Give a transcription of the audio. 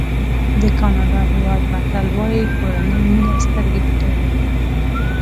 د ګاڼډا هېواد متل وایي کورنۍ مینه سترګې پټوي.